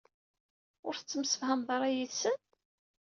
Ur tettemsefhameḍ ara yid-sen?